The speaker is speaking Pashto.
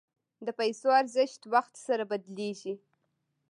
د پیسو ارزښت وخت سره بدلېږي.